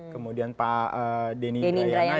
kemudian pak denny rayana